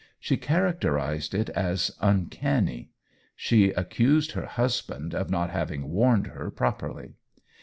She characterized it as " uncanny," she accused her husband of not having warned her properly.